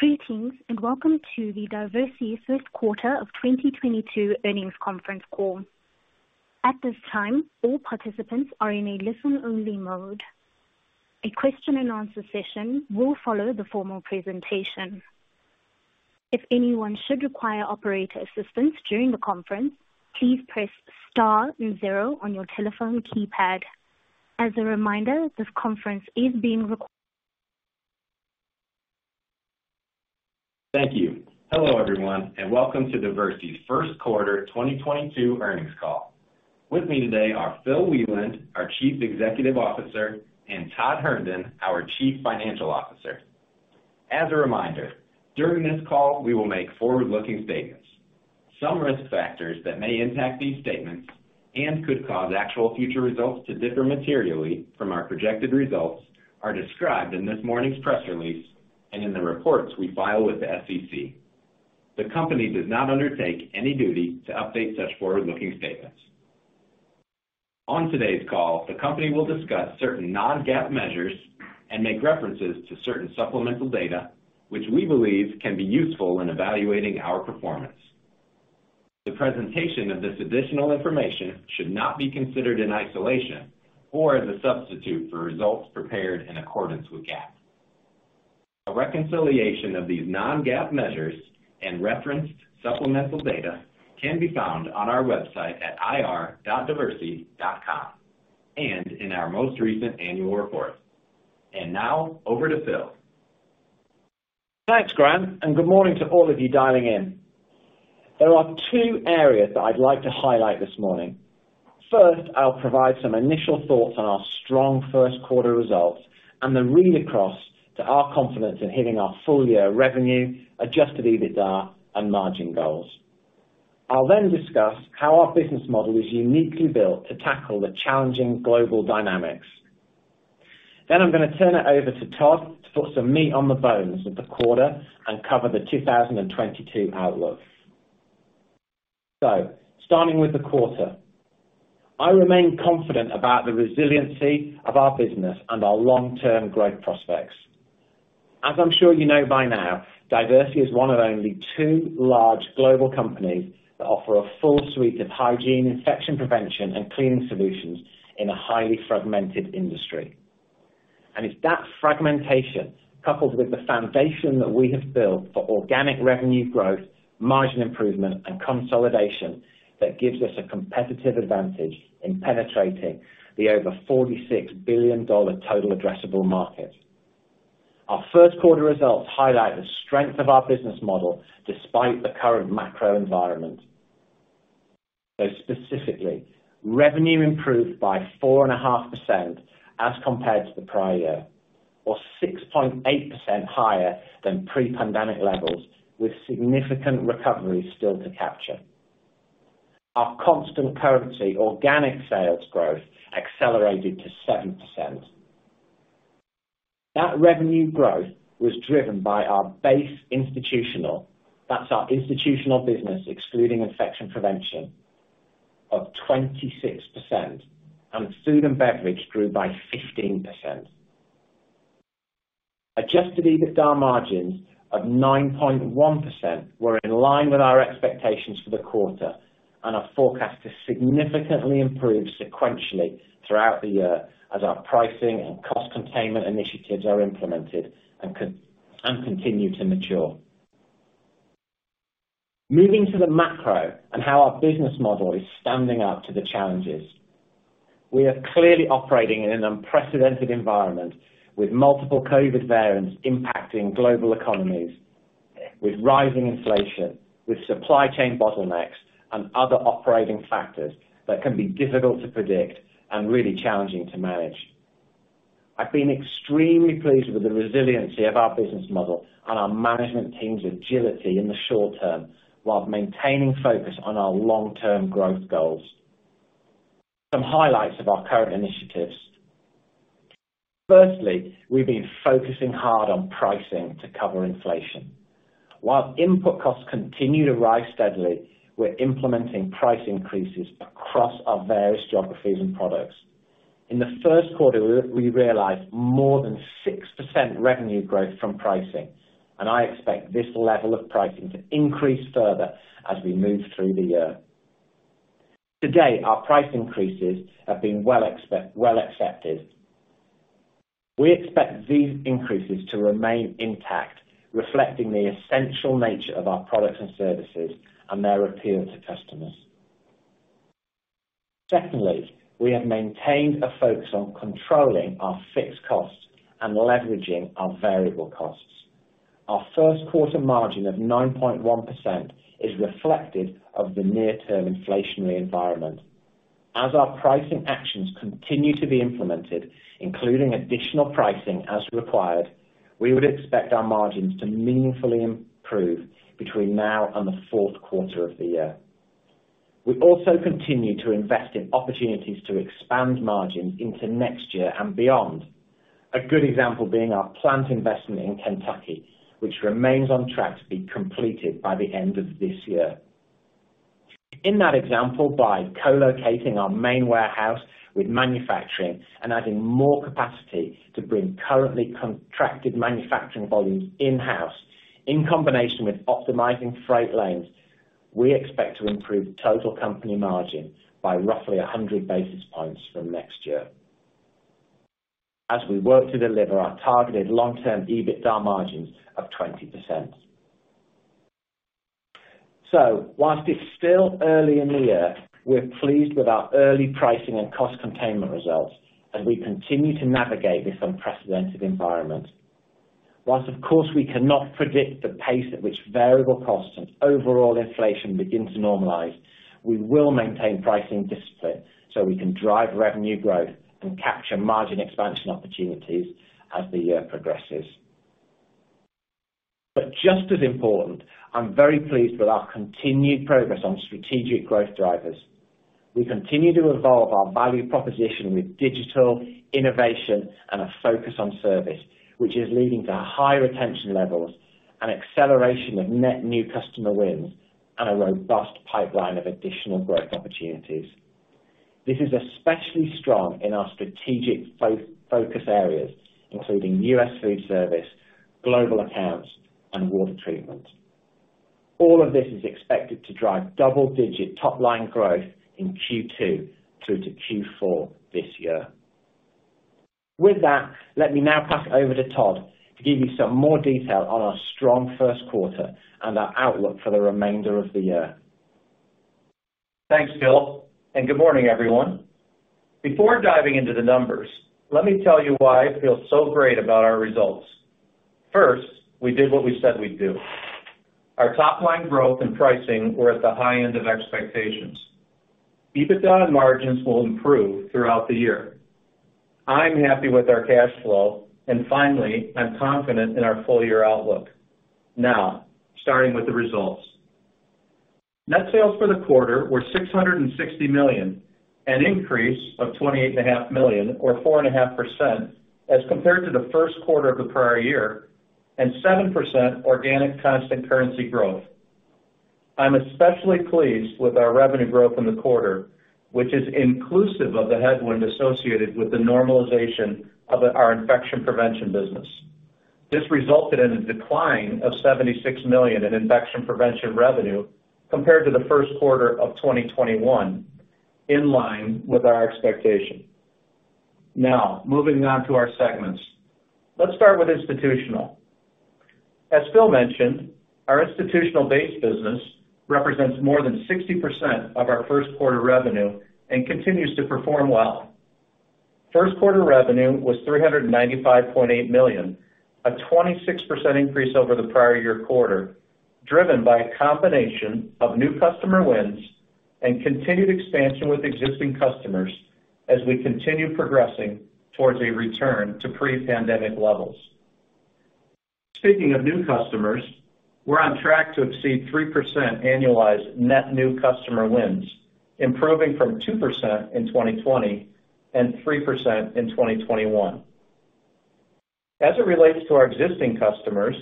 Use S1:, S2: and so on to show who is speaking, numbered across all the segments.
S1: Greetings, and welcome to the Diversey first quarter of 2022 earnings conference call. At this time, all participants are in a listen-only mode. A question and answer session will follow the formal presentation. If anyone should require operator assistance during the conference, please press star and zero on your telephone keypad. As a reminder, this conference is being recorded.
S2: Thank you. Hello, everyone, and welcome to Diversey's first quarter 2022 earnings call. With me today are Phil Wieland, our Chief Executive Officer, and Todd Herndon, our Chief Financial Officer. As a reminder, during this call, we will make forward-looking statements. Some risk factors that may impact these statements and could cause actual future results to differ materially from our projected results are described in this morning's press release and in the reports we file with the SEC. The company does not undertake any duty to update such forward-looking statements. On today's call, the company will discuss certain non-GAAP measures and make references to certain supplemental data which we believe can be useful in evaluating our performance. The presentation of this additional information should not be considered in isolation or as a substitute for results prepared in accordance with GAAP. A reconciliation of these non-GAAP measures and referenced supplemental data can be found on our website at ir.diversey.com and in our most recent annual report. Now over to Phil.
S3: Thanks, Grant, and good morning to all of you dialing in. There are two areas that I'd like to highlight this morning. First, I'll provide some initial thoughts on our strong first quarter results, and then read across to our confidence in hitting our full year revenue, adjusted EBITDA, and margin goals. I'll then discuss how our business model is uniquely built to tackle the challenging global dynamics. I'm gonna turn it over to Todd to put some meat on the bones of the quarter and cover the 2022 outlook. Starting with the quarter. I remain confident about the resiliency of our business and our long-term growth prospects. As I'm sure you know by now, Diversey is one of only two large global companies that offer a full suite of hygiene, infection prevention, and cleaning solutions in a highly fragmented industry. It's that fragmentation, coupled with the foundation that we have built for organic revenue growth, margin improvement, and consolidation that gives us a competitive advantage in penetrating the over $46 billion total addressable market. Our first quarter results highlight the strength of our business model despite the current macro environment. Specifically, revenue improved by 4.5% as compared to the prior year or 6.8% higher than pre-pandemic levels with significant recoveries still to capture. Our constant currency organic sales growth accelerated to 7%. That revenue growth was driven by our base institutional. That's our institutional business, excluding infection prevention of 26%, and food and beverage grew by 15%. Adjusted EBITDA margins of 9.1% were in line with our expectations for the quarter and are forecast to significantly improve sequentially throughout the year as our pricing and cost containment initiatives are implemented and continue to mature. Moving to the macro and how our business model is standing up to the challenges. We are clearly operating in an unprecedented environment with multiple COVID variants impacting global economies, with rising inflation, with supply chain bottlenecks and other operating factors that can be difficult to predict and really challenging to manage. I've been extremely pleased with the resiliency of our business model and our management team's agility in the short term while maintaining focus on our long-term growth goals. Some highlights of our current initiatives. Firstly, we've been focusing hard on pricing to cover inflation. While input costs continue to rise steadily, we're implementing price increases across our various geographies and products. In the first quarter, we realized more than 6% revenue growth from pricing, and I expect this level of pricing to increase further as we move through the year. To date, our price increases have been well accepted. We expect these increases to remain intact, reflecting the essential nature of our products and services and their appeal to customers. Secondly, we have maintained a focus on controlling our fixed costs and leveraging our variable costs. Our first quarter margin of 9.1% is reflective of the near-term inflationary environment. As our pricing actions continue to be implemented, including additional pricing as required, we would expect our margins to meaningfully improve between now and the fourth quarter of the year. We also continue to invest in opportunities to expand margins into next year and beyond. A good example being our plant investment in Kentucky, which remains on track to be completed by the end of this year. In that example, by co-locating our main warehouse with manufacturing and adding more capacity to bring currently contracted manufacturing volumes in-house, in combination with optimizing freight lanes, we expect to improve total company margin by roughly 100 basis points from next year as we work to deliver our targeted long-term EBITDA margins of 20%. While it's still early in the year, we're pleased with our early pricing and cost containment results as we continue to navigate this unprecedented environment. While of course, we cannot predict the pace at which variable costs and overall inflation begin to normalize, we will maintain pricing discipline so we can drive revenue growth and capture margin expansion opportunities as the year progresses. Just as important, I'm very pleased with our continued progress on strategic growth drivers. We continue to evolve our value proposition with digital innovation and a focus on service, which is leading to higher retention levels and acceleration of net new customer wins and a robust pipeline of additional growth opportunities. This is especially strong in our strategic focus areas, including U.S. food service, global accounts, and water treatment. All of this is expected to drive double-digit top-line growth in Q2 through to Q4 this year. With that, let me now pass it over to Todd to give you some more detail on our strong first quarter and our outlook for the remainder of the year.
S4: Thanks, Phil, and good morning, everyone. Before diving into the numbers, let me tell you why I feel so great about our results. First, we did what we said we'd do. Our top-line growth and pricing were at the high end of expectations. EBITDA margins will improve throughout the year. I'm happy with our cash flow, and finally, I'm confident in our full-year outlook. Now, starting with the results. Net sales for the quarter were $660 million, an increase of $28.5 million or 4.5% as compared to the first quarter of the prior year, and 7% organic constant currency growth. I'm especially pleased with our revenue growth in the quarter, which is inclusive of the headwind associated with the normalization of our infection prevention business. This resulted in a decline of $76 million in infection prevention revenue compared to the first quarter of 2021, in line with our expectation. Now, moving on to our segments. Let's start with Institutional. As Phil mentioned, our Institutional-based business represents more than 60% of our first quarter revenue and continues to perform well. First quarter revenue was $395.8 million, a 26% increase over the prior year quarter, driven by a combination of new customer wins and continued expansion with existing customers as we continue progressing towards a return to pre-pandemic levels. Speaking of new customers, we're on track to exceed 3% annualized net new customer wins, improving from 2% in 2020 and 3% in 2021. As it relates to our existing customers,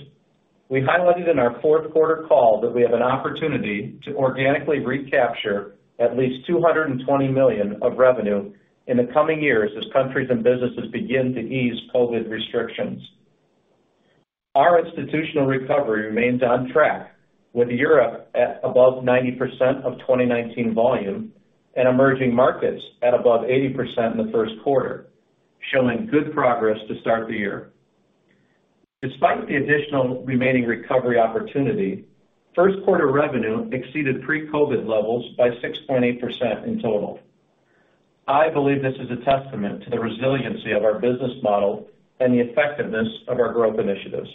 S4: we highlighted in our fourth quarter call that we have an opportunity to organically recapture at least $220 million of revenue in the coming years as countries and businesses begin to ease COVID restrictions. Our Institutional recovery remains on track, with Europe at above 90% of 2019 volume and emerging markets at above 80% in the first quarter, showing good progress to start the year. Despite the additional remaining recovery opportunity, first quarter revenue exceeded pre-COVID levels by 6.8% in total. I believe this is a testament to the resiliency of our business model and the effectiveness of our growth initiatives.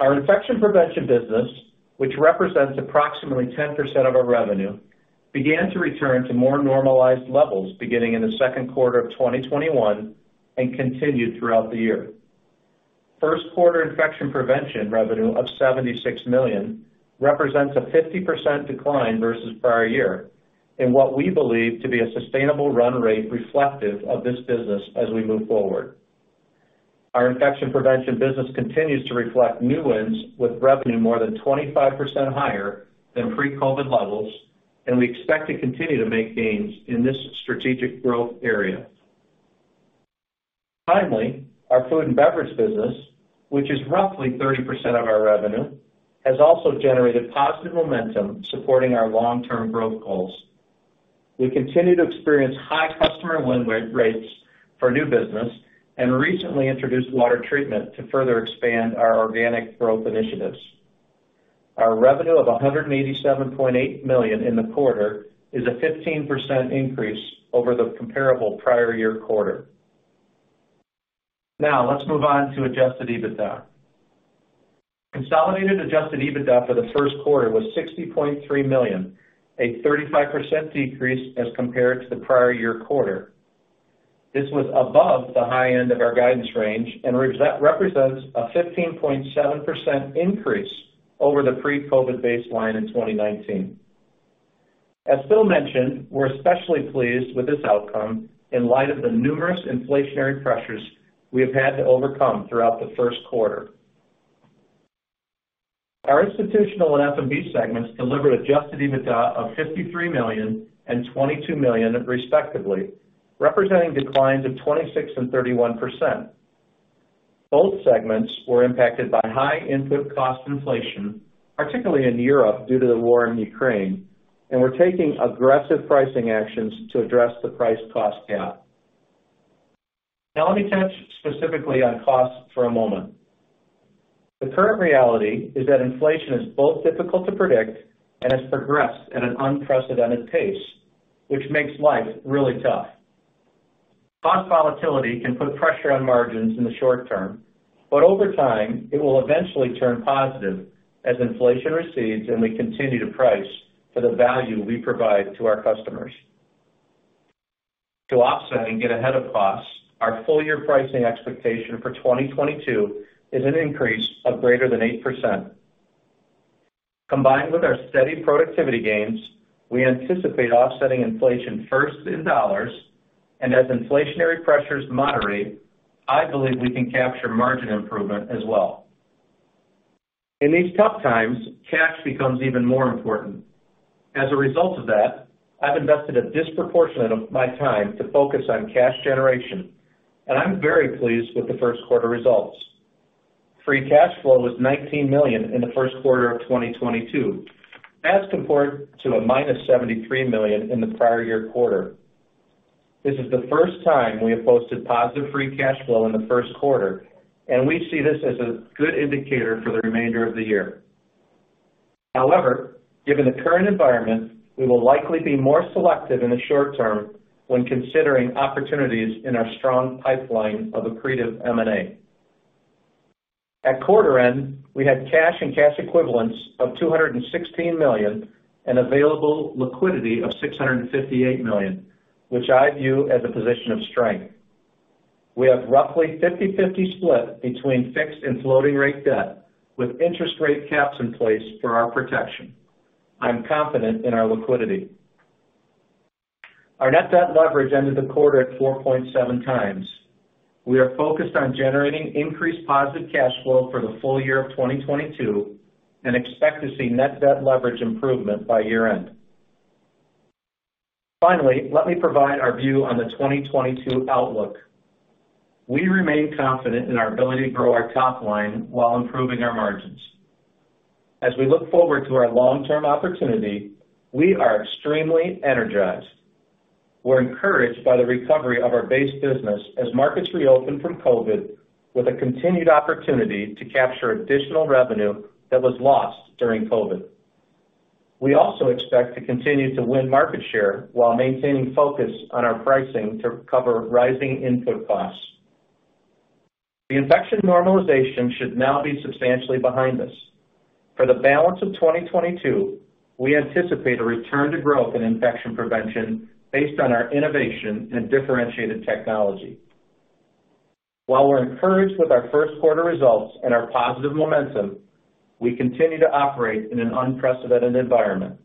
S4: Our infection prevention business, which represents approximately 10% of our revenue, began to return to more normalized levels beginning in the second quarter of 2021 and continued throughout the year. First quarter infection prevention revenue of $76 million represents a 50% decline versus prior year in what we believe to be a sustainable run rate reflective of this business as we move forward. Our infection prevention business continues to reflect new wins with revenue more than 25% higher than pre-COVID levels, and we expect to continue to make gains in this strategic growth area. Finally, our food and beverage business, which is roughly 30% of our revenue, has also generated positive momentum supporting our long-term growth goals. We continue to experience high customer win rates for new business and recently introduced water treatment to further expand our organic growth initiatives. Our revenue of $187.8 million in the quarter is a 15% increase over the comparable prior year quarter. Now, let's move on to adjusted EBITDA. Consolidated adjusted EBITDA for the first quarter was $60.3 million, a 35% decrease as compared to the prior year quarter. This was above the high end of our guidance range and represents a 15.7% increase over the pre-COVID baseline in 2019. As Phil mentioned, we're especially pleased with this outcome in light of the numerous inflationary pressures we have had to overcome throughout the first quarter. Our institutional and F&B segments delivered adjusted EBITDA of $53 million and $22 million respectively, representing declines of 26% and 31%. Both segments were impacted by high input cost inflation, particularly in Europe due to the war in Ukraine, and we're taking aggressive pricing actions to address the price cost gap. Now let me touch specifically on costs for a moment. The current reality is that inflation is both difficult to predict and has progressed at an unprecedented pace, which makes life really tough. Cost volatility can put pressure on margins in the short term, but over time, it will eventually turn positive as inflation recedes and we continue to price for the value we provide to our customers. To offset and get ahead of costs, our full year pricing expectation for 2022 is an increase of greater than 8%. Combined with our steady productivity gains, we anticipate offsetting inflation first in dollars, and as inflationary pressures moderate, I believe we can capture margin improvement as well. In these tough times, cash becomes even more important. As a result of that, I've invested a disproportionate of my time to focus on cash generation, and I'm very pleased with the first quarter results. Free cash flow was $19 million in the first quarter of 2022. That's compared to -$73 million in the prior year quarter. This is the first time we have posted positive free cash flow in the first quarter, and we see this as a good indicator for the remainder of the year. However, given the current environment, we will likely be more selective in the short term when considering opportunities in our strong pipeline of accretive M&A. At quarter end, we had cash and cash equivalents of $216 million and available liquidity of $658 million, which I view as a position of strength. We have roughly 50/50 split between fixed and floating rate debt with interest rate caps in place for our protection. I'm confident in our liquidity. Our net debt leverage ended the quarter at 4.7x. We are focused on generating increased positive cash flow for the full year of 2022 and expect to see net debt leverage improvement by year-end. Finally, let me provide our view on the 2022 outlook. We remain confident in our ability to grow our top line while improving our margins. As we look forward to our long-term opportunity, we are extremely energized. We're encouraged by the recovery of our base business as markets reopen from COVID with a continued opportunity to capture additional revenue that was lost during COVID. We also expect to continue to win market share while maintaining focus on our pricing to cover rising input costs. The infection normalization should now be substantially behind us. For the balance of 2022, we anticipate a return to growth in infection prevention based on our innovation and differentiated technology. While we're encouraged with our first quarter results and our positive momentum, we continue to operate in an unprecedented environment.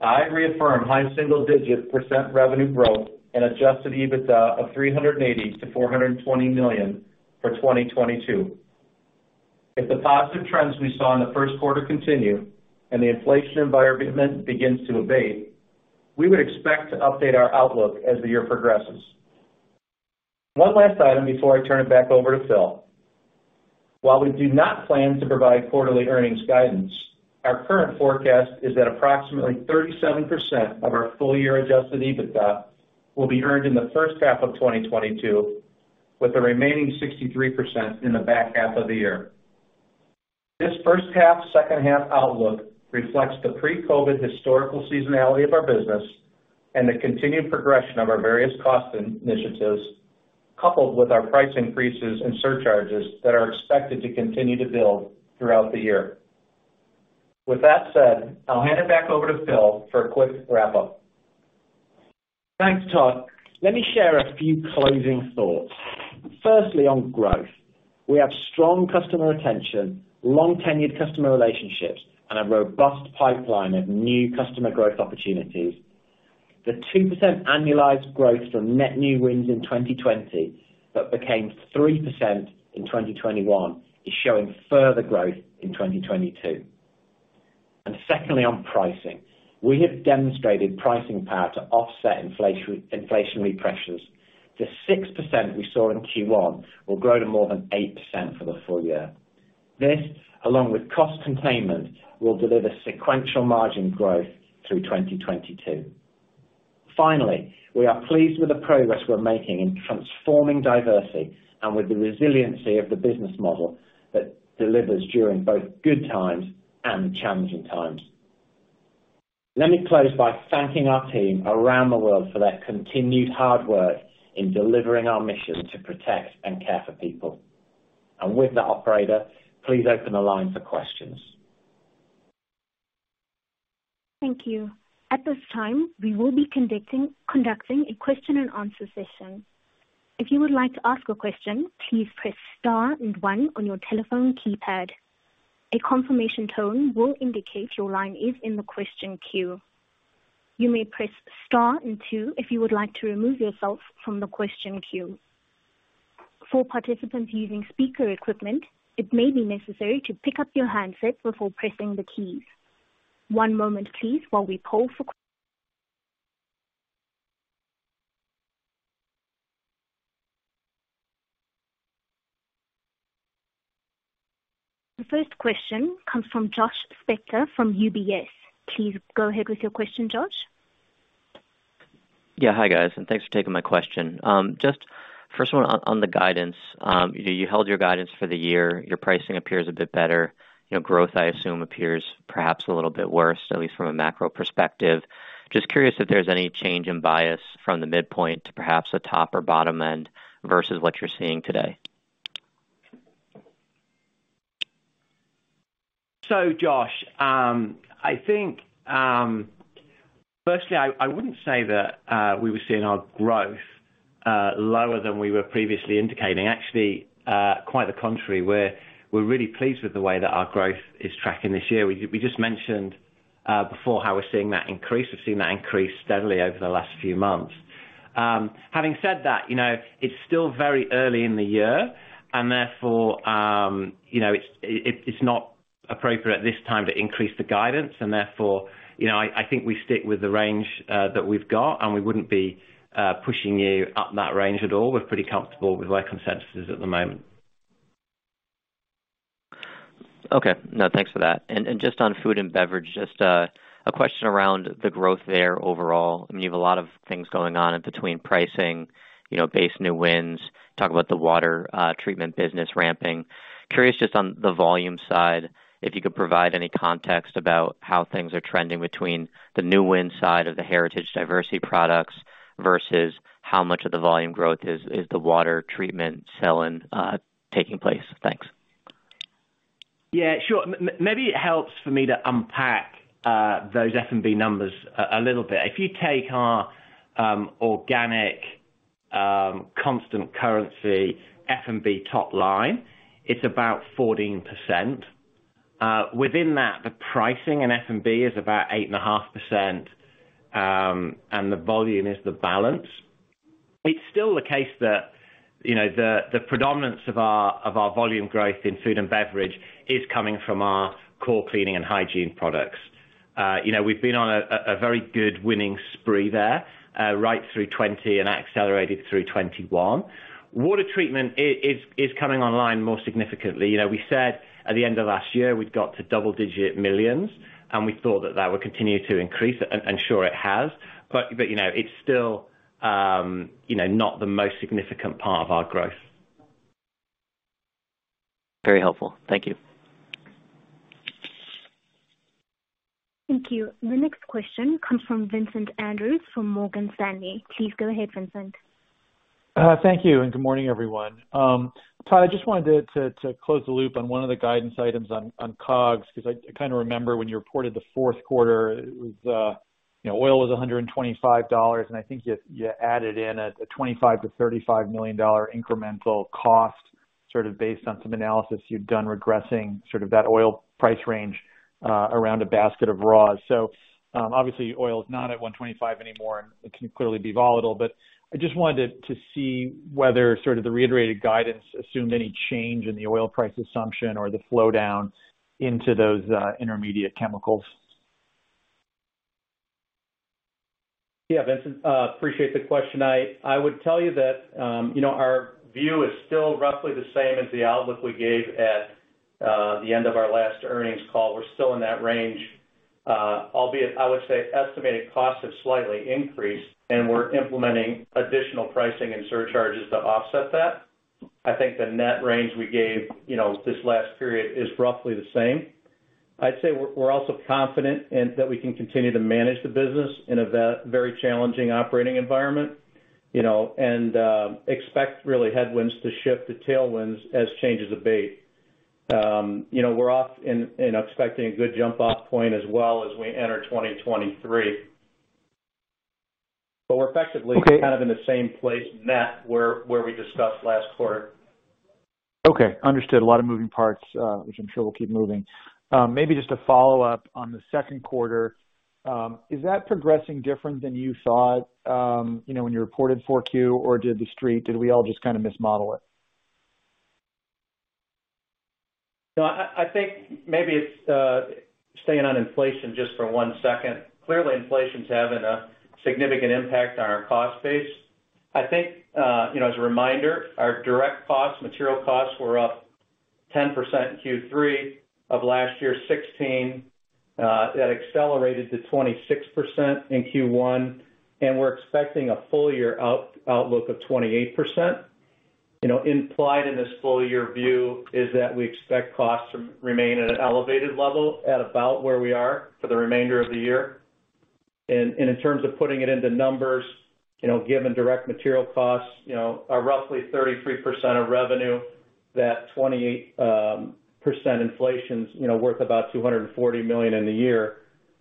S4: I reaffirm high single-digit percent revenue growth and adjusted EBITDA of $380 million-$420 million for 2022. If the positive trends we saw in the first quarter continue and the inflation environment begins to abate, we would expect to update our outlook as the year progresses. One last item before I turn it back over to Phil. While we do not plan to provide quarterly earnings guidance, our current forecast is that approximately 37% of our full-year adjusted EBITDA will be earned in the first half of 2022, with the remaining 63% in the back half of the year. This first half, second half outlook reflects the pre-COVID historical seasonality of our business and the continued progression of our various cost initiatives, coupled with our price increases and surcharges that are expected to continue to build throughout the year. With that said, I'll hand it back over to Phil for a quick wrap-up.
S3: Thanks, Todd. Let me share a few closing thoughts. Firstly, on growth. We have strong customer retention, long-tenured customer relationships, and a robust pipeline of new customer growth opportunities. The 2% annualized growth from net new wins in 2020 that became 3% in 2021 is showing further growth in 2022. Secondly, on pricing. We have demonstrated pricing power to offset inflationary pressures. The 6% we saw in Q1 will grow to more than 8% for the full year. This, along with cost containment, will deliver sequential margin growth through 2022. Finally, we are pleased with the progress we're making in transforming Diversey and with the resiliency of the business model that delivers during both good times and challenging times. Let me close by thanking our team around the world for their continued hard work in delivering our mission to protect and care for people. With that, operator, please open the line for questions.
S1: Thank you. At this time, we will be conducting a question and answer session. If you would like to ask a question, please press star and one on your telephone keypad. A confirmation tone will indicate your line is in the question queue. You may press star and two if you would like to remove yourself from the question queue. For participants using speaker equipment, it may be necessary to pick up your handset before pressing the keys. One moment please while we poll for questions. The first question comes from Josh Spector from UBS. Please go ahead with your question, Josh.
S5: Yeah. Hi, guys, and thanks for taking my question. Just first one on the guidance. You know, you held your guidance for the year. Your pricing appears a bit better. You know, growth, I assume, appears perhaps a little bit worse, at least from a macro perspective. Just curious if there's any change in bias from the midpoint to perhaps the top or bottom end versus what you're seeing today.
S3: Josh, I think firstly, I wouldn't say that we were seeing our growth lower than we were previously indicating. Actually, quite the contrary, we're really pleased with the way that our growth is tracking this year. We just mentioned before how we're seeing that increase. We've seen that increase steadily over the last few months. Having said that, you know, it's still very early in the year and therefore, you know, it's not appropriate this time to increase the guidance and therefore, you know, I think we stick with the range that we've got, and we wouldn't be pushing you up that range at all. We're pretty comfortable with where consensus is at the moment.
S5: Okay. No, thanks for that. Just on food and beverage, just a question around the growth there overall. I mean, you have a lot of things going on and between pricing, you know, base new wins, talk about the water treatment business ramping. Curious just on the volume side, if you could provide any context about how things are trending between the new win side of the heritage Diversey products versus how much of the volume growth is the water treatment selling taking place. Thanks.
S3: Yeah, sure. Maybe it helps for me to unpack those F&B numbers a little bit. If you take our organic constant currency F&B top line, it's about 14%. Within that, the pricing in F&B is about 8.5%, and the volume is the balance. It's still the case that, you know, the predominance of our volume growth in food and beverage is coming from our core cleaning and hygiene products. You know, we've been on a very good winning spree there right through 2020, and that accelerated through 2021. Water treatment is coming online more significantly. You know, we said at the end of last year, we'd got to double-digit millions, and we thought that would continue to increase. Sure it has, but you know, it's still, you know, not the most significant part of our growth.
S5: Very helpful. Thank you.
S1: Thank you. The next question comes from Vincent Andrews from Morgan Stanley. Please go ahead, Vincent.
S6: Thank you, and good morning, everyone. Todd, I just wanted to close the loop on one of the guidance items on COGS, 'cause I kinda remember when you reported the fourth quarter, it was, you know, oil was $125, and I think you added in a $25 million-$35 million incremental cost, sort of based on some analysis you'd done regressing sort of that oil price range, around a basket of raws. Obviously oil is not at $125 anymore, and it can clearly be volatile, but I just wanted to see whether sort of the reiterated guidance assumed any change in the oil price assumption or the flow down into those, intermediate chemicals.
S4: Yeah, Vincent, appreciate the question. I would tell you that, you know, our view is still roughly the same as the outlook we gave at the end of our last earnings call. We're still in that range. Albeit, I would say estimated costs have slightly increased, and we're implementing additional pricing and surcharges to offset that. I think the net range we gave, you know, this last period is roughly the same. I'd say we're also confident that we can continue to manage the business in a very challenging operating environment, you know, and expect really headwinds to shift to tailwinds as changes abate. You know, we're expecting a good jump-off point as well as we enter 2023. We're effectively-
S6: Okay.
S4: -kind of in the same place net where we discussed last quarter.
S6: Okay. Understood. A lot of moving parts, which I'm sure will keep moving. Maybe just a follow-up on the second quarter. Is that progressing different than you thought, you know, when you reported Q4 or did the street, did we all just kinda mismodel it?
S4: No, I think maybe it's staying on inflation just for one second. Clearly, inflation's having a significant impact on our cost base. I think you know, as a reminder, our direct costs, material costs were up 10% in Q3 of last year, 16%, that accelerated to 26% in Q1, and we're expecting a full year outlook of 28%. You know, implied in this full year view is that we expect costs to remain at an elevated level at about where we are for the remainder of the year. In terms of putting it into numbers, you know, given direct material costs, you know, are roughly 33% of revenue, that 28% inflation's you know, worth about $240 million in the year.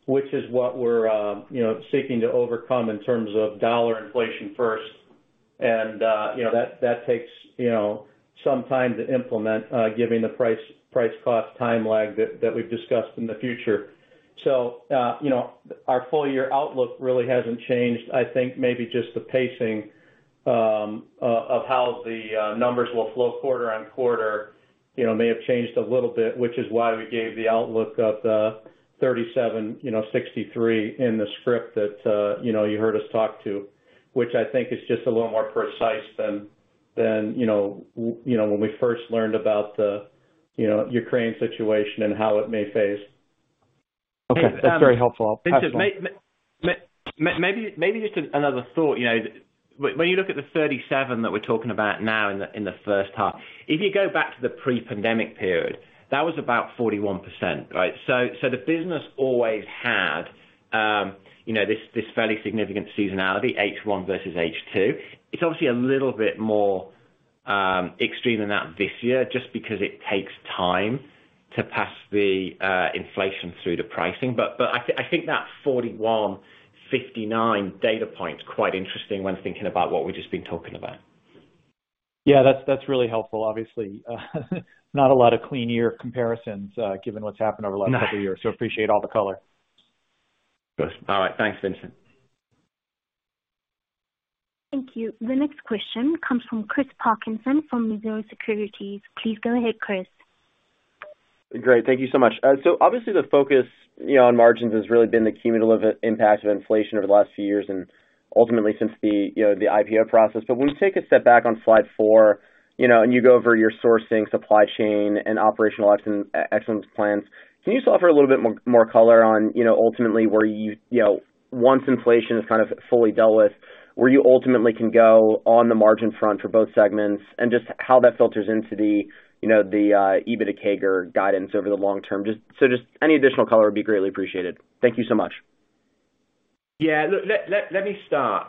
S4: Which is what we're you know, seeking to overcome in terms of dollar inflation first. You know, that takes some time to implement, given the price cost time lag that we've discussed in the future. You know, our full year outlook really hasn't changed. I think maybe just the pacing of how the numbers will flow quarter on quarter, you know, may have changed a little bit, which is why we gave the outlook of the 37%-63% in the script that you know, you heard us talk through. Which I think is just a little more precise than you know, when we first learned about the you know, Ukraine situation and how it may phase.
S6: Okay. That's very helpful.
S3: Vincent, maybe just another thought, you know, when you look at the 37% that we're talking about now in the first half, if you go back to the pre-pandemic period, that was about 41%, right? The business always had, you know, this fairly significant seasonality, H1 versus H2. It's obviously a little bit more extreme than that this year just because it takes time to pass the inflation through the pricing. I think that 41%, 59% data point is quite interesting when thinking about what we've just been talking about.
S6: Yeah, that's really helpful. Obviously, not a lot of clean year comparisons, given what's happened over the last couple of years. Appreciate all the color.
S3: All right. Thanks, Vincent.
S1: Thank you. The next question comes from Chris Parkinson from Mizuho Securities. Please go ahead, Chris.
S7: Great. Thank you so much. Obviously the focus, you know, on margins has really been the cumulative impact of inflation over the last few years and ultimately since the, you know, the IPO process. When you take a step back on slide four, you know, and you go over your sourcing, supply chain and operational excellence plans, can you just offer a little bit more color on, you know, ultimately where you know, once inflation is kind of fully dealt with, where you ultimately can go on the margin front for both segments and just how that filters into the, you know, the EBITDA CAGR guidance over the long term? Just any additional color would be greatly appreciated. Thank you so much.
S3: Yeah. Let me start.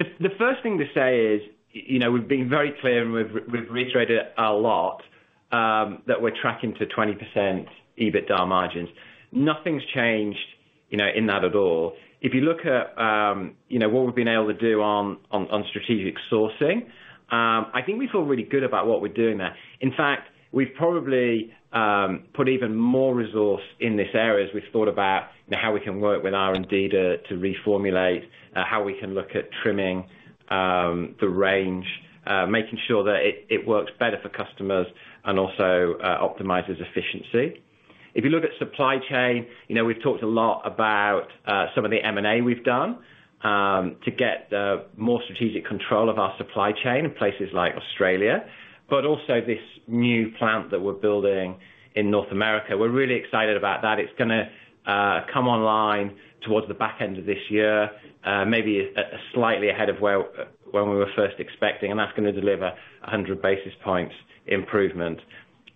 S3: The first thing to say is, you know, we've been very clear and we've reiterated a lot, that we're tracking to 20% EBITDA margins. Nothing's changed, you know, in that at all. If you look at, you know, what we've been able to do on strategic sourcing, I think we feel really good about what we're doing there. In fact, we've probably put even more resource in this area as we've thought about how we can work with R&D to reformulate, how we can look at trimming the range, making sure that it works better for customers and also optimizes efficiency. If you look at supply chain, you know, we've talked a lot about some of the M&A we've done to get the more strategic control of our supply chain in places like Australia, but also this new plant that we're building in North America. We're really excited about that. It's gonna come online towards the back end of this year, maybe slightly ahead of where when we were first expecting, and that's gonna deliver 100 basis points improvement.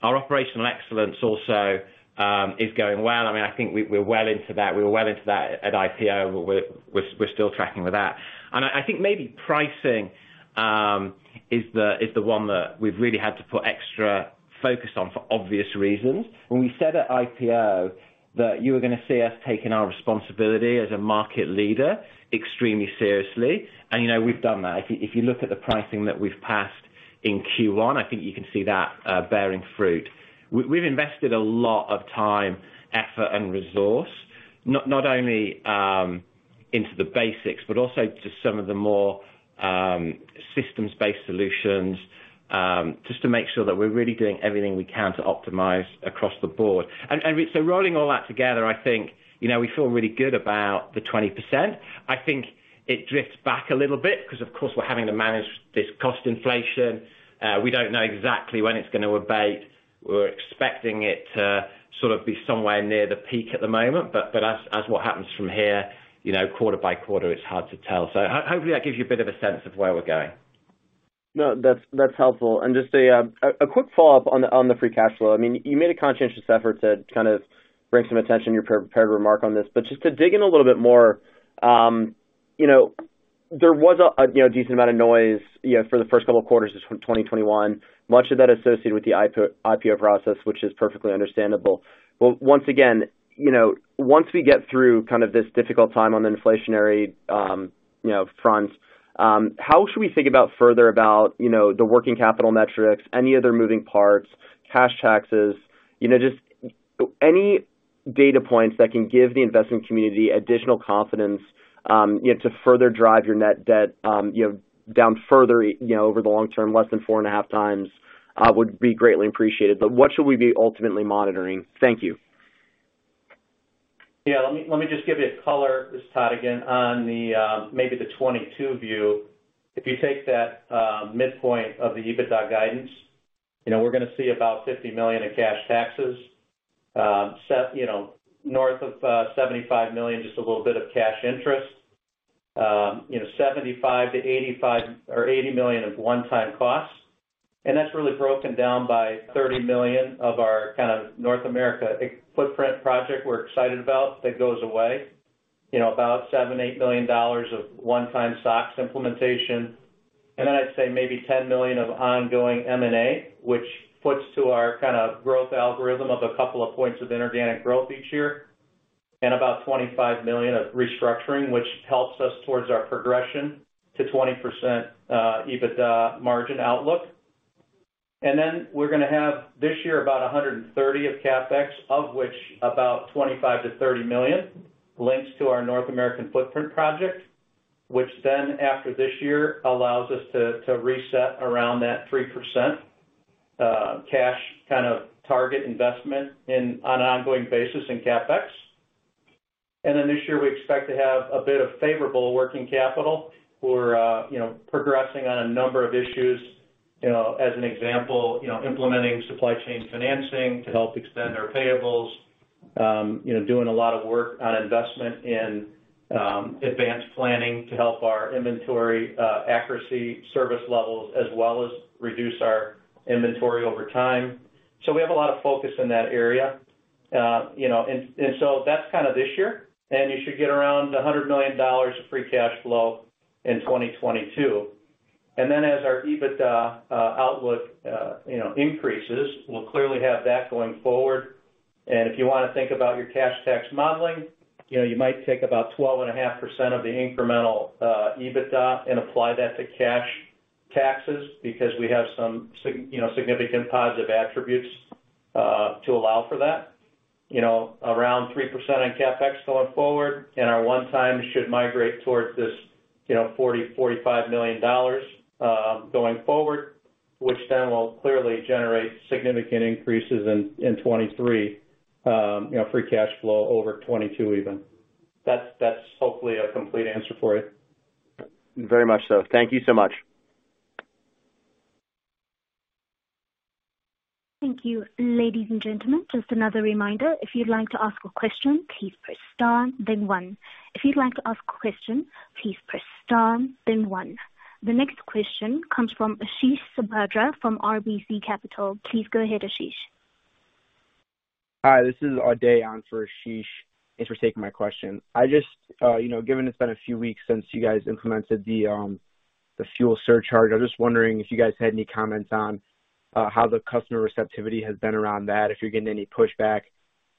S3: Our operational excellence also is going well. I mean, I think we're well into that. We were well into that at IPO. We're still tracking with that. I think maybe pricing is the one that we've really had to put extra focus on for obvious reasons. When we said at IPO that you were gonna see us taking our responsibility as a market leader extremely seriously, you know, we've done that. If you look at the pricing that we've passed in Q1, I think you can see that bearing fruit. We've invested a lot of time, effort, and resource, not only into the basics, but also to some of the more systems-based solutions, just to make sure that we're really doing everything we can to optimize across the board. Rolling all that together, I think, you know, we feel really good about the 20%. I think it drifts back a little bit because, of course, we're having to manage this cost inflation. We don't know exactly when it's gonna abate. We're expecting it to sort of be somewhere near the peak at the moment, but as what happens from here, you know, quarter by quarter, it's hard to tell. Hopefully, that gives you a bit of a sense of where we're going.
S7: No, that's helpful. Just a quick follow-up on the free cash flow. I mean, you made a conscientious effort to kind of bring some attention in your pre-prepared remark on this. Just to dig in a little bit more, you know, there was a decent amount of noise, you know, for the first couple of quarters just from 2021, much of that associated with the IPO process, which is perfectly understandable. Once again, you know, once we get through kind of this difficult time on the inflationary, you know, front, how should we think about further about, you know, the working capital metrics, any other moving parts, cash taxes? You know, just any data points that can give the investment community additional confidence, you know, to further drive your net debt, you know, down further, you know, over the long term, less than 4.5x, would be greatly appreciated. What should we be ultimately monitoring? Thank you.
S4: Yeah. Let me just give you a color. This is Todd again. On the maybe the 2022 view. If you take that midpoint of the EBITDA guidance, you know, we're gonna see about $50 million in cash taxes. You know, north of $75 million, just a little bit of cash interest. You know, $75 million-$85 million or $80 million of one-time costs. That's really broken down by $30 million of our kind of North America footprint project we're excited about that goes away. You know, about $7 million-$8 million of one-time SOX implementation. Then I'd say maybe $10 million of ongoing M&A, which puts to our kind of growth algorithm of a couple of points of inorganic growth each year. About $25 million of restructuring, which helps us towards our progression to 20% EBITDA margin outlook. We're gonna have this year about $130 million of CapEx, of which about $25 million-$30 million links to our North American footprint project, which then after this year allows us to reset around that 3% cash kind of target investment in on an ongoing basis in CapEx. This year, we expect to have a bit of favorable working capital. We're, you know, progressing on a number of issues. You know, as an example, you know, implementing supply chain financing to help extend our payables. You know, doing a lot of work on investment in advanced planning to help our inventory accuracy service levels as well as reduce our inventory over time. We have a lot of focus in that area. That's kind of this year, and you should get around $100 million of free cash flow in 2022. Then as our EBITDA outlook, you know, increases, we'll clearly have that going forward. If you wanna think about your cash tax modeling, you know, you might take about 12.5% of the incremental EBITDA and apply that to cash taxes because we have some significant positive attributes to allow for that. You know, around 3% on CapEx going forward, and our one-time should migrate towards this, you know, $40 million-$45 million going forward, which then will clearly generate significant increases in 2023 free cash flow over 2022 even. That's hopefully a complete answer for you.
S7: Very much so. Thank you so much.
S1: Thank you. Ladies and gentlemen, just another reminder, if you'd like to ask a question, please press star then one. If you'd like to ask a question, please press star then one. The next question comes from Ashish Sabadra from RBC Capital. Please go ahead, Ashish.
S8: Hi, this is Ade on for Ashish. Thanks for taking my question. I just, you know, given it's been a few weeks since you guys implemented the fuel surcharge, I was just wondering if you guys had any comments on how the customer receptivity has been around that, if you're getting any pushback.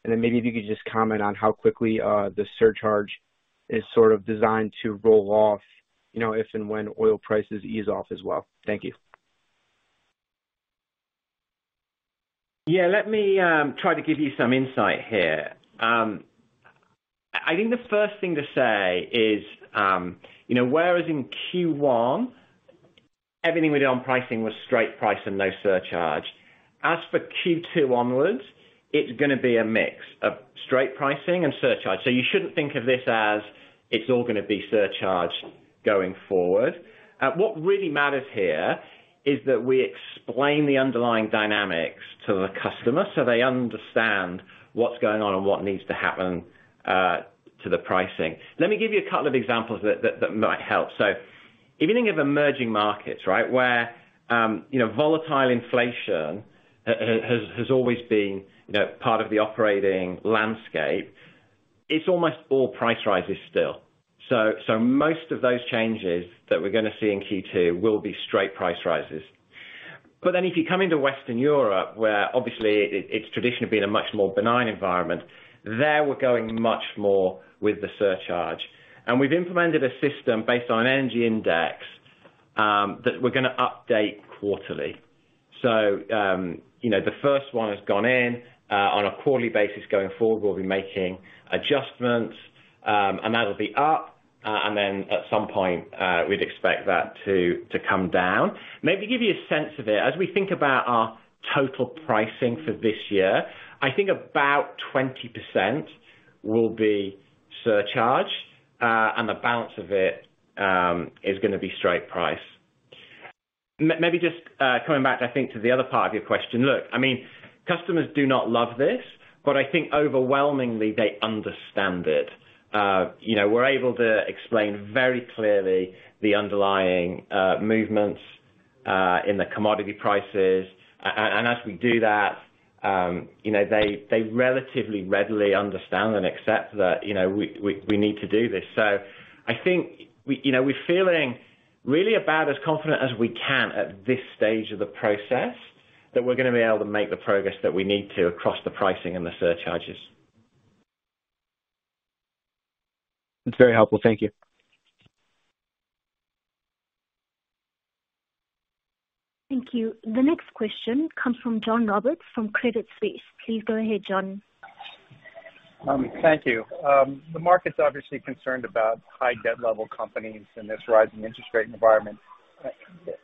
S8: Maybe if you could just comment on how quickly the surcharge is sort of designed to roll off, you know, if and when oil prices ease off as well. Thank you.
S3: Yeah. Let me try to give you some insight here. I think the first thing to say is, you know, whereas in Q1, everything we did on pricing was straight price and no surcharge. As for Q2 onwards, it's gonna be a mix of straight pricing and surcharge. You shouldn't think of this as it's all gonna be surcharge going forward. What really matters here is that we explain the underlying dynamics to the customer so they understand what's going on and what needs to happen to the pricing. Let me give you a couple of examples that might help. If you think of emerging markets, right, where, you know, volatile inflation has always been, you know, part of the operating landscape, it's almost all price rises still. Most of those changes that we're gonna see in Q2 will be straight price rises. If you come into Western Europe, where obviously it's traditionally been a much more benign environment, there we're going much more with the surcharge. We've implemented a system based on energy index that we're gonna update quarterly. You know, the first one has gone in. On a quarterly basis going forward, we'll be making adjustments, and that'll be up. At some point, we'd expect that to come down. Maybe give you a sense of it. As we think about our total pricing for this year, I think about 20% will be surcharge, and the balance of it is gonna be straight price. Maybe just coming back, I think to the other part of your question. Look, I mean, customers do not love this, but I think overwhelmingly they understand it. You know, we're able to explain very clearly the underlying movements in the commodity prices. And as we do that, you know, they relatively readily understand and accept that, you know, we need to do this. I think you know, we're feeling really about as confident as we can at this stage of the process that we're gonna be able to make the progress that we need to across the pricing and the surcharges.
S8: That's very helpful. Thank you.
S1: Thank you. The next question comes from John Roberts from Credit Suisse. Please go ahead, John.
S9: Thank you. The market's obviously concerned about high debt level companies in this rising interest rate environment.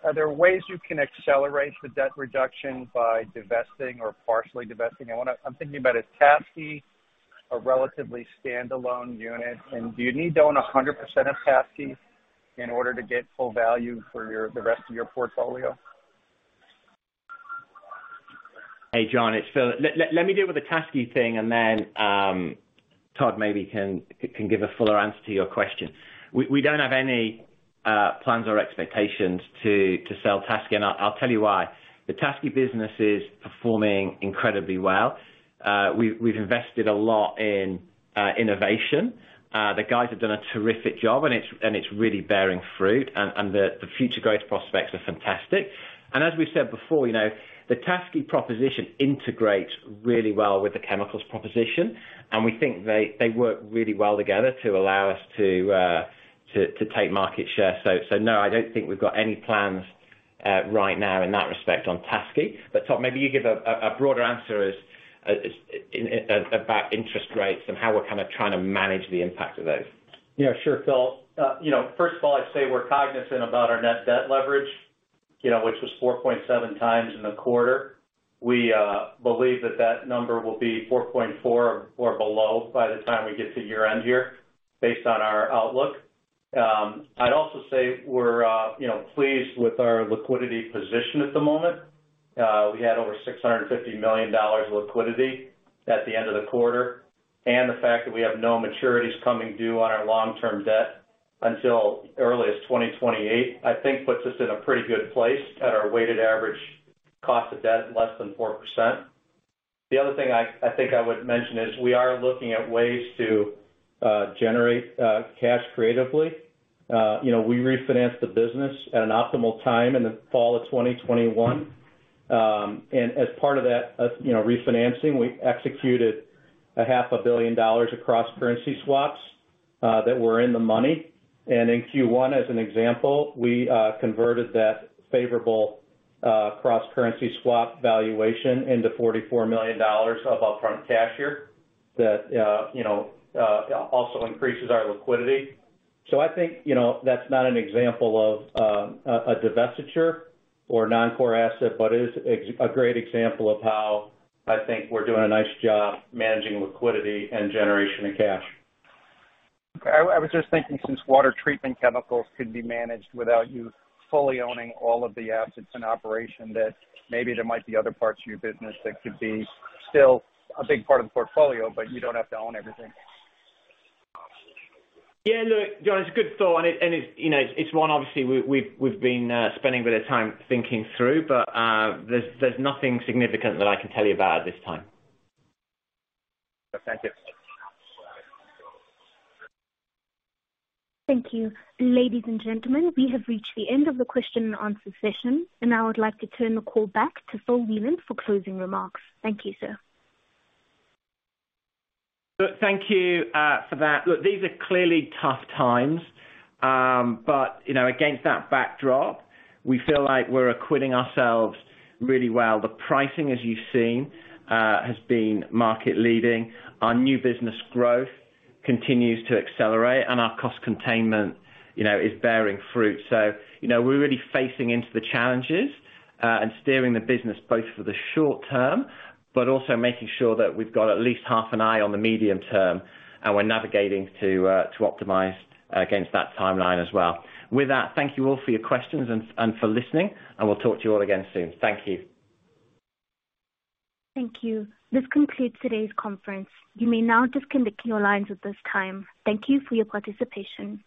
S9: Are there ways you can accelerate the debt reduction by divesting or partially divesting? I'm thinking about, is TASKI a relatively standalone unit, and do you need to own 100% of TASKI in order to get full value for the rest of your portfolio?
S3: Hey, John, it's Phil. Let me deal with the TASKI thing and then, Todd maybe can give a fuller answer to your question. We don't have any plans or expectations to sell TASKI, and I'll tell you why. The TASKI business is performing incredibly well. We've invested a lot in innovation. The guys have done a terrific job, and it's really bearing fruit. The future growth prospects are fantastic. As we've said before, you know, the TASKI proposition integrates really well with the chemicals proposition, and we think they work really well together to allow us to take market share. No, I don't think we've got any plans right now in that respect on TASKI. Todd, maybe you give a broader answer as about interest rates and how we're kinda trying to manage the impact of those.
S4: Yeah. Sure, Phil. You know, first of all, I'd say we're cognizant about our net debt leverage, you know, which was 4.7x in the quarter. We believe that that number will be 4.4x or below by the time we get to year-end here based on our outlook. I'd also say we're, you know, pleased with our liquidity position at the moment. We had over $650 million liquidity at the end of the quarter. The fact that we have no maturities coming due on our long-term debt until early 2028, I think puts us in a pretty good place at our weighted average cost of debt less than 4%. The other thing I think I would mention is we are looking at ways to generate cash creatively. You know, we refinanced the business at an optimal time in the fall of 2021. As part of that, you know, refinancing, we executed half a billion dollars cross-currency swaps that were in the money. In Q1, as an example, we converted that favorable cross-currency swap valuation into $44 million of upfront cash here that also increases our liquidity. I think, you know, that's not an example of a divestiture or non-core asset, but a great example of how I think we're doing a nice job managing liquidity and generation of cash.
S9: I was just thinking since water treatment chemicals could be managed without you fully owning all of the assets in operation, that maybe there might be other parts of your business that could be still a big part of the portfolio, but you don't have to own everything.
S3: Yeah. Look, John, it's a good thought, and it's, you know, it's one obviously we've been spending a bit of time thinking through. There's nothing significant that I can tell you about at this time.
S9: Thank you.
S1: Thank you. Ladies and gentlemen, we have reached the end of the question and answer session, and I would like to turn the call back to Phil Wieland for closing remarks. Thank you, sir.
S3: Look, thank you for that. Look, these are clearly tough times. You know, against that backdrop, we feel like we're acquitting ourselves really well. The pricing, as you've seen, has been market leading. Our new business growth continues to accelerate, and our cost containment, you know, is bearing fruit. You know, we're really facing into the challenges, and steering the business both for the short term, but also making sure that we've got at least half an eye on the medium term, and we're navigating to to optimize against that timeline as well. With that, thank you all for your questions and for listening, and we'll talk to you all again soon. Thank you.
S1: Thank you. This concludes today's conference. You may now disconnect your lines at this time. Thank you for your participation.